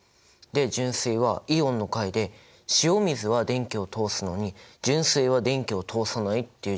で純水はイオンの回で塩水は電気を通すのに純水は電気を通さないっていう実験をやったよね。